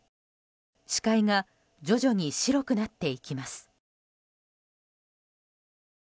視界が徐々に白くなっていきます。